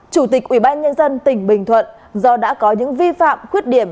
chủ tịch ủy ban nhân dân tỉnh bình thuận do đã có những vi phạm khuyết điểm